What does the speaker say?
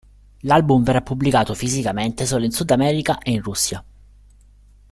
L'album verrà pubblicato fisicamente solo in Sud America e in Russia.